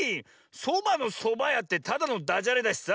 「そばのそばや」ってただのダジャレだしさ。